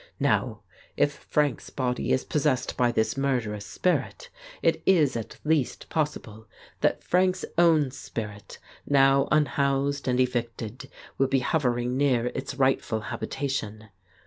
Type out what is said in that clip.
Now if Frank's body is possessed by this murderous spirit, it is at least pos sible that Frank's own spirit, now unhoused and evicted, will be hovering near its rightful habitation.